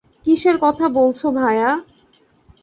কীসের কথা বলছো, ভায়া?